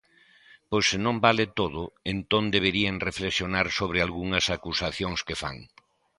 Pois se non vale todo, entón deberían reflexionar sobre algunhas acusacións que fan.